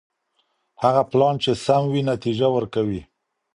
هغه پلان چي سم وي نتيجه ورکوي.